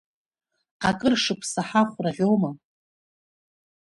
Акыр шықәса ҳахәра ӷьома?